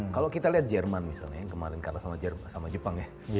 kalau kita lihat jerman misalnya yang kemarin kalah sama jepang ya